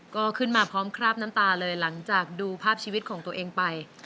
ก็ขึ้นมาพร้อมคราบน้ำตาเลยหลังจากดูภาพชีวิตของตัวเองไป